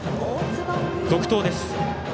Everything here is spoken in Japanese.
続投です。